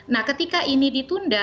nah ketika ini ditunda